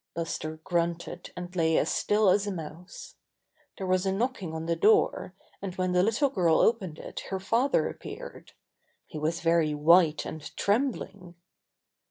Buster grunted and lay as still as a mouse. There was a knocking on the door, and when the little girl opened it her father appeared. He was very white and trembling.